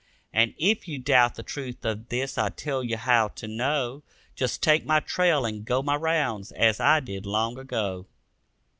And if you doubt the truth of this I tell you how to know: Just take my trail and go my rounds, as I did, long ago.